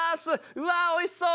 うわおいしそう！